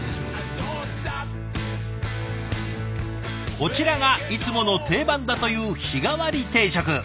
こちらがいつもの定番だという日替わり定食。